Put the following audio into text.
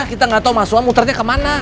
kita gatau mas suha muternya kemana